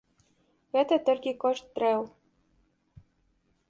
Гэта толькі кошт дрэў.